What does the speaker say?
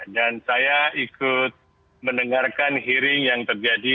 dan saya ikut mendengarkan hearing yang terjadi